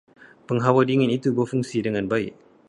Penghawa dingin itu berfungsi dengan baik.